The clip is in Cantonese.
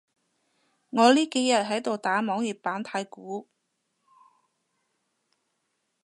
我呢幾日喺度打網頁版太鼓